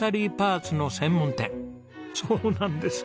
そうなんです。